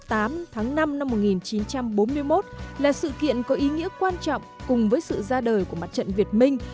ngày tám tháng năm năm một nghìn chín trăm bốn mươi một là sự kiện có ý nghĩa quan trọng cùng với sự ra đời của mặt trận việt minh